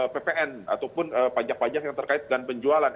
ppn ataupun pajak pajak yang terkait dengan penjualan